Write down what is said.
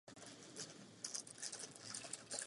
Vedle kostela je budova fary.